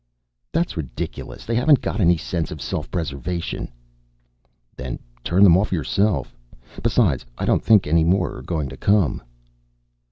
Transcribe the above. "That's ridiculous. They haven't got any sense of self preservation." "Then turn them off yourself. Besides, I don't think any more are going to come."